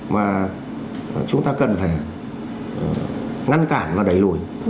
mà chúng ta cần phải ngăn cản và đẩy lùi